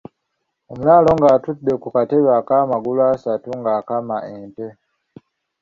Omulaalo ng'atudde ku katebe ak'amagulu asatu ng'akama ente.